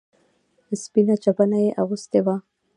سپينه چپنه يې اغوستې وه.